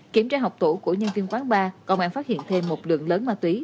kiểm tra học tủ của nhân viên quán bar công an phát hiện thêm một lượng lớn ma túy